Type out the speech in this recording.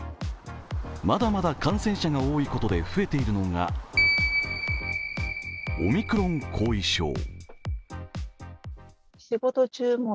まだまだ感染者が多いことで増えているのがオミクロン後遺症。